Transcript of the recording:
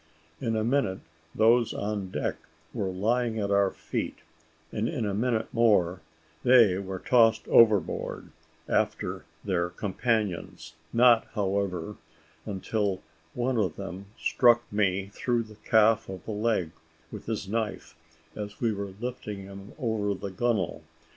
In a minute, those on deck were lying at our feet, and in a minute more, they were tossed overboard after their companions; not, however, until one of them struck me through the calf of the leg with his knife, as we were lifting him over the gunwale.